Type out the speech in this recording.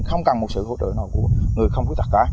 không cần một sự hỗ trợ nào của người không khuyết tật cả